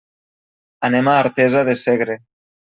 Anem a Artesa de Segre.